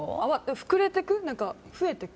膨れていく？